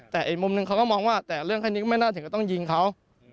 แต่อีกมุมนึงเขาก็มองว่าแต่เรื่องแค่นี้ก็ไม่น่าถึงก็ต้องยิงเขา